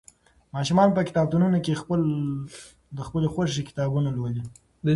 ماشومان په کتابتونونو کې د خپلې خوښې کتابونه لولي.